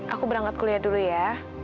aku berangkat kuliah dulu ya